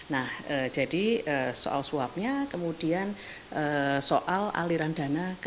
nah jadi soal suapnya kemudian soal aliran dana